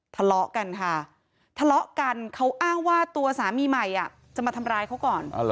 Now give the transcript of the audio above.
ทะเลาะกันค่ะทะเลาะกันเขาอ้างว่าตัวสามีใหม่จะมาทำร้ายเขาก่อน